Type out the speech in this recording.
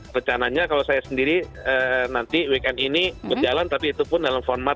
rencananya kalau saya sendiri nanti weekend ini berjalan tapi itu pun dalam format